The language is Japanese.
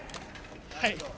はい。